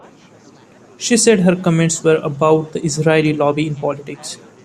She said her comments were about the Israeli lobby in politics.